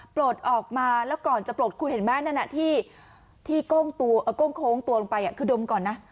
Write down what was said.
ปลดออกมาแล้วก่อนจะปลดคุณเห็นไหมนั่นที่โก้งโค้งตัวลงไปคือดมก่อนนะ